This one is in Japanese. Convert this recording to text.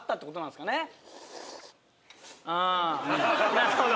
なるほど。